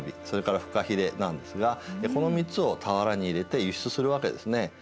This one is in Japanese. それからフカヒレなんですがこの３つを俵に入れて輸出するわけですね。